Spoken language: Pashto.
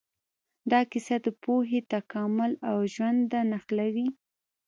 دا کیسه د پوهې، تکامل او ژونده نښلوي.